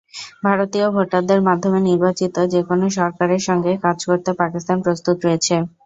ভারতীয় ভোটারদের মাধ্যমে নির্বাচিত যেকোনো সরকারের সঙ্গে কাজ করতে পাকিস্তান প্রস্তুত রয়েছে।